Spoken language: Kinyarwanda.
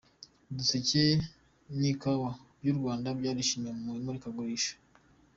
Uduseke n’ikawa by’u Rwanda byarishimiwe mu imurikagurisha